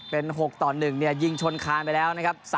เป็น๖ต่อ๑ยิงชนคานไปแล้วนะครับ